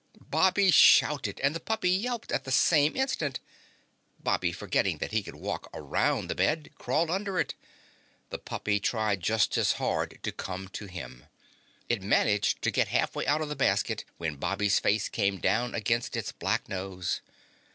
Bobby shouted and the puppy yelped at the same instant. Bobby, forgetting that he could walk around the bed, crawled under it. The puppy tried just as hard to come to him. It managed to get half way out of the basket when Bobby's face came down against its black nose.